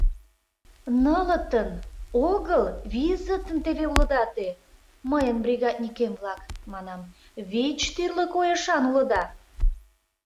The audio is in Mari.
Нылытын... огыл, визытын теве улыда те, мыйын бригадникем-влак, манам, вич тӱрлӧ койышан улыда...